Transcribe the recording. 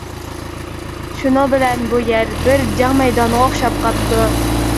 شۇنىڭ بىلەن بۇ يەر بىر جەڭ مەيدانىغا ئوخشاپ قاپتۇ.